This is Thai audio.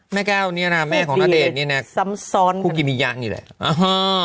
แม่แก้วเนี่ยนะแม่ของณเดชน์เนี่ยนะซัมซอนภูกิมิยังอีกแหละอ่าฮ่า